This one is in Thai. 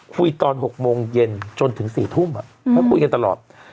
คุยตอน๖โมงเย็นจนถึง๔ทุ่มแล้วคุยกันตลอด